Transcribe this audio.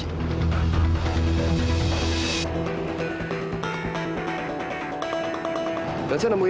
waktu itu saya sempet nemuin